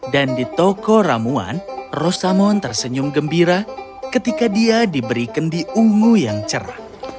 dan di toko ramuan rosamon tersenyum gembira ketika dia diberi kendi ungu yang cerah